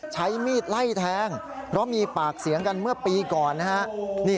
ใช้มีดไล่แทงเพราะมีปากเสียงกันเมื่อปีก่อนนะฮะ